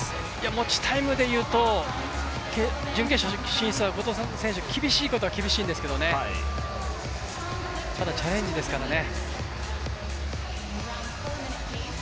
持ちタイムでいうと、準決勝進出は後藤選手、厳しいことは厳しいんですけれども、ただチャレンジですからね。